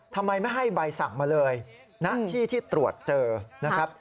ทำไมไม่ให้ใบสั่งมาเลยณที่ที่ตรวจเจอนะครับ